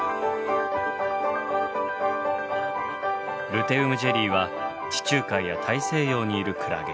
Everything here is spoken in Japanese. ルテウムジェリーは地中海や大西洋にいるクラゲ。